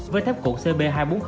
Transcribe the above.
với thép cuộn cb hai trăm bốn mươi